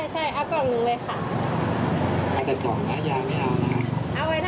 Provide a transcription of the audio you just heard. เป็นรถรถขาย๕๐